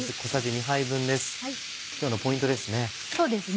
今日のポイントですね。